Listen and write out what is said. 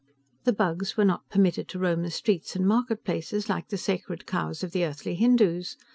The Bugs were not permitted to roam the streets and market places, like the sacred cows of the Earthly Hindus.